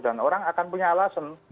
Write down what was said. dan orang akan punya alasan